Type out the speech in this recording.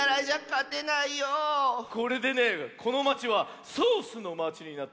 これでねこのまちはソースのまちになったぞ。